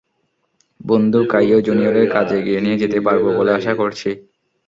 বন্ধু কাইয়ো জুনিয়রের কাজ এগিয়ে নিয়ে যেতে পারব বলে আশা করছি।